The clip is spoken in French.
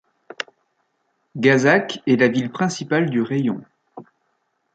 Gazakh est la ville principale du rayon.